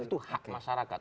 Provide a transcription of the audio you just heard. itu hak masyarakat